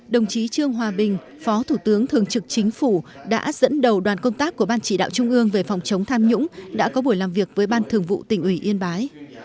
đồng chí trương hòa bình phó thủ tướng thường trực chính phủ đã dẫn đầu đoàn công tác của ban chỉ đạo trung ương về phòng chống tham nhũng đã có buổi làm việc với ban thường vụ tỉnh ủy yên bái